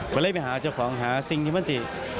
ก็เลยไปหาเจ้าของหาสิ่งที่มันจะ